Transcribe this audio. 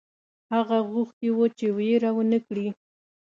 هغه غوښتي وه چې وېره ونه کړي.